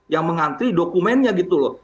yang mengantri dokumennya gitu loh